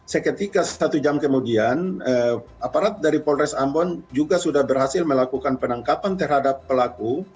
seketika satu jam kemudian aparat dari polres ambon juga sudah berhasil melakukan penangkapan terhadap pelaku